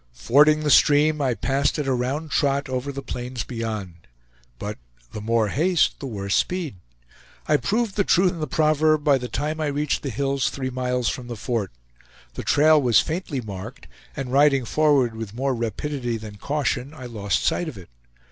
Fording the stream, I passed at a round trot over the plains beyond. But "the more haste, the worse speed." I proved the truth in the proverb by the time I reached the hills three miles from the fort. The trail was faintly marked, and riding forward with more rapidity than caution, I lost sight of it.